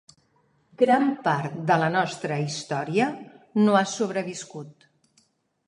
Gran part de la nostra història no ha sobreviscut.